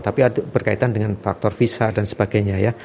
tapi berkaitan dengan faktor visa dan sebagainya ya